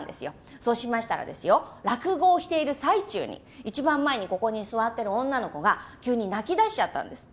そうしましたらですよ、落語をしている最中に、一番前に座ってる女の子が急に泣き出しちゃったんです。